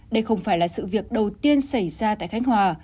đây không phải là sự việc đầu tiên xảy ra tại khánh hòa